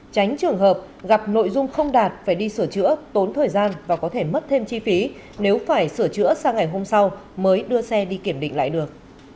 tránh trường hợp gặp nội dung không đạt phải đi sửa chữa tốn thời gian và có thể mất thêm chi phí nếu phải sửa chữa sang ngày hôm sau mới đưa xe đi kiểm định lại được